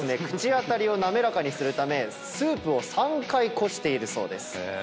口当たりを滑らかにするためスープを３回こしているそうです。